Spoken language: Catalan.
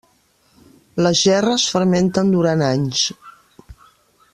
Les gerres fermenten durant anys.